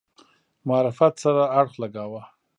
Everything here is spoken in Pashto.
معرفت سره اړخ لګاوه.